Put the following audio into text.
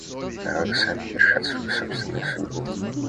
Народы сами вершат свою собственную судьбу.